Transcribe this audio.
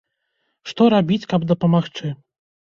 Што рабіць, каб дапамагчы?